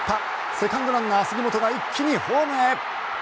セカンドランナー、杉本が一気にホームへ。